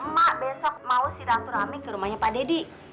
mak besok mau si ratu rame ke rumahnya pak deddy